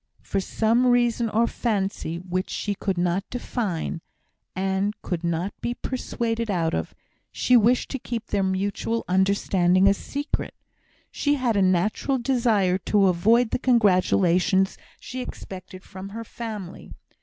for some reason or fancy which she could not define, and could not be persuaded out of, she wished to keep their mutual understanding a secret. She had a natural desire to avoid the congratulations she expected from her family.